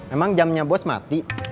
emang jamnya bos mati